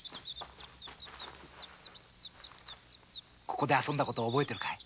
ここで遊んだ事覚えてるかい？